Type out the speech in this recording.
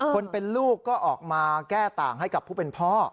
คนเป็นลูกก็ออกมาแก้ต่างให้กับผู้เป็นพ่อ